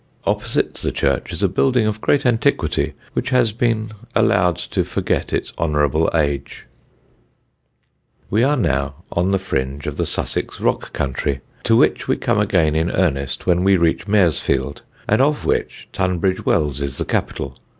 Opposite the church is a building of great antiquity, which has been allowed to forget its honourable age. [Sidenote: "BIG ON LITTLE"] We are now on the fringe of the Sussex rock country, to which we come again in earnest when we reach Maresfield, and of which Tunbridge Wells is the capital.